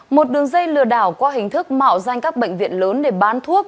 một đường dây lừa đảo qua hình thức mạo danh các bệnh viện lớn để bán thuốc